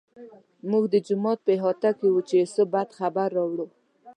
موږ د جومات په احاطه کې وو چې یوسف بد خبر راوړ.